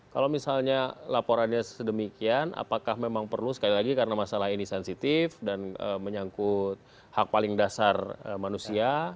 kalau misalnya laporannya sedemikian apakah memang perlu sekali lagi karena masalah ini sensitif dan menyangkut hak paling dasar manusia